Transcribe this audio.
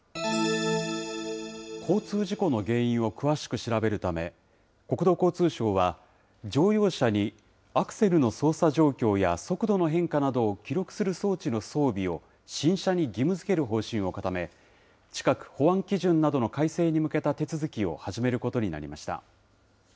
交通事故の原因を詳しく調べるため、国土交通省は、乗用車にアクセルの操作状況や、速度の変化などを記録する装置の装備を新車に義務づける方針を固め、近く、保安基準などの改正に向けた手続きを始めることになりました。